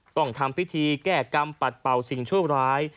ต้องทำพิธีแก้กรรมปัดเป่าสิ่งชั่วร้าย